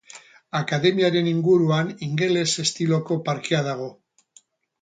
Akademiaren inguruan ingeles estiloko parkea dago.